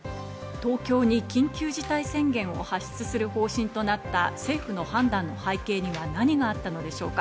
東京に緊急事態宣言を発出する方針となった政府の判断の背景には何があったのでしょうか。